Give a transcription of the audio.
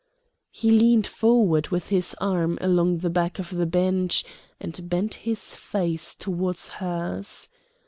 He leaned forward with his arm along the back of the bench, and bent his face towards hers.